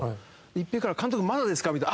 一平から「監督まだですか？」みたいな。